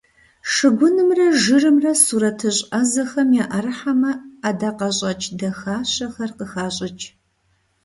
Шыгунымрэ жырымрэ сурэтыщӀ Ӏэзэхэм яӀэрыхьэмэ, ӀэдакъэщӀэкӀ дахащэхэр къыхащӀыкӀ.